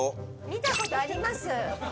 見たことあります